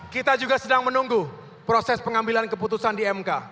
kita juga sedang menunggu proses pengambilan keputusan di mk